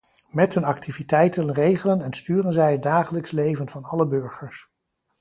Met hun activiteiten regelen en sturen zij het dagelijks leven van alle burgers.